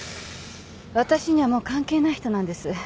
私にはもう関係ない人なんです。